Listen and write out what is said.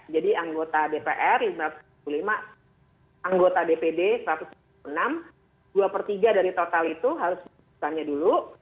jadi anggota dpr lima ratus lima puluh lima anggota dpd satu ratus enam puluh enam dua per tiga dari total itu harus diusulkan dulu